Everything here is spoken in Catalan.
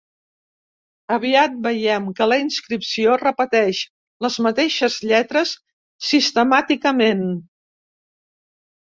Aviat veiem que la inscripció repeteix les mateixes lletres sistemàticament.